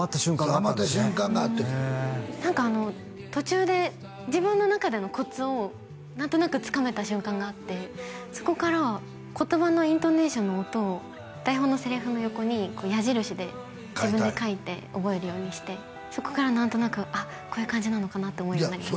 ハマった瞬間があって何かあの途中で自分の中でのコツを何となくつかめた瞬間があってそこからは言葉のイントネーションの音を台本のセリフの横に矢印で自分で書いて覚えるようにしてそこから何となく「あっこういう感じなのかな」って思えるようになりました